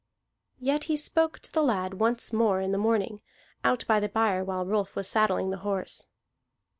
Yet he spoke to the lad once more in the morning, out by the byre while Rolf was saddling the horse.